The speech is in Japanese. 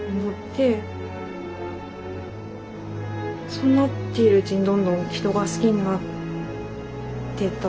そうなっているうちにどんどん人が好きになってったというか。